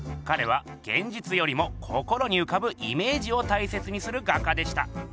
かれはげんじつよりも心にうかぶイメージを大切にする画家でした。